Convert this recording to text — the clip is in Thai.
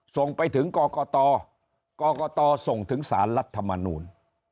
ส่งไปถึงกรกตกรกตส่งถึงสารรัฐมนูล